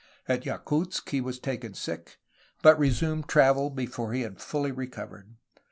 At Yakutsk he was taken sick, but resumed travel before he had fully re covered.